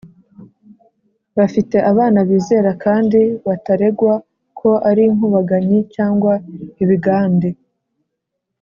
bafite abana bizera kandi bataregwa ko ari inkubaganyi cyangwa ibigande.